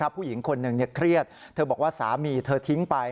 ผู้หญิงคนหนึ่งเครียดเธอบอกว่าสามีเธอทิ้งไป